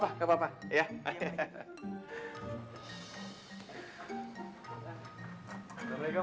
waalaikumsalam pak haji